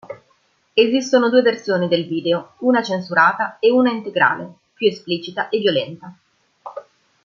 Esistono due versioni del video, una censurata e una integrale, più esplicita e violenta.